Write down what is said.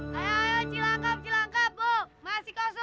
setelah abang dijanginkan dengan vice vice